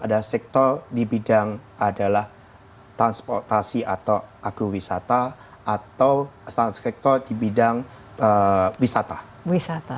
ada sektor di bidang adalah transportasi atau agrowisata atau sektor di bidang wisata